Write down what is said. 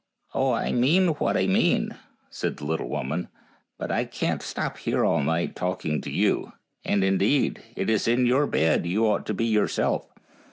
" Oh, I mean what I mean," said the little woman. " But I can't stop here all night talk ing to you : and, indeed, it is in your bed you ought to be yourself.